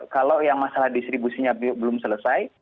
kalau yang masalah distribusinya belum selesai